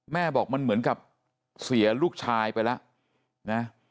แม่บอกมันเหมือนกับเสียลูกชายไปแล้วนะ